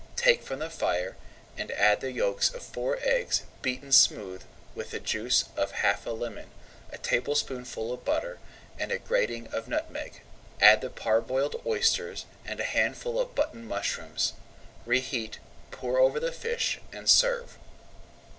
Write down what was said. Take from the fire, and add the yolks of four eggs beaten [Page 126] smooth with the juice of half a lemon, a tablespoonful of butter, and a grating of nutmeg. Add the parboiled oysters, and a handful of button mushrooms. Reheat, pour over the fish, and serve.